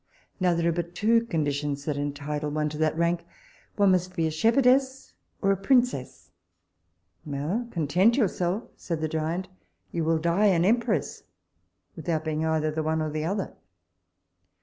Now there are but two conditions that entitle one to that rank; one must be a shepherdess or a princess. Well, content yourself, said the giant, you will die an empress, without being either the one or the other!